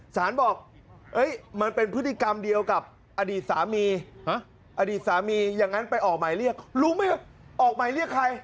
สารบอกมันเป็นพฤติกรรมเดียวกับอดีตสามีอดีตสามีอย่างนั้นไปออกหมายเรียกรู้ไหมออกหมายเรียกใคร